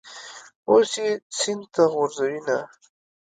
اوس یې سین ته غورځوینه.